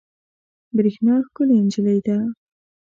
برېښنا ښکلې انجلۍ ده